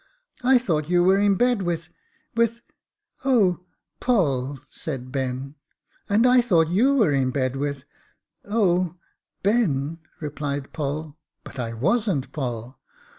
I thought you were in bed with — with — oh ! Poll !' said Ben. "' And I thought you were in bed with — oh ! Ben !* replied Poll. "' But I wasn't. Poll.'